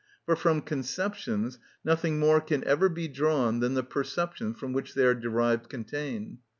For from conceptions nothing more can ever be drawn than the perceptions from which they are derived contain.